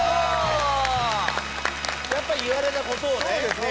やっぱり言われたことをね。